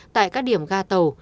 tại các điểm ga tàu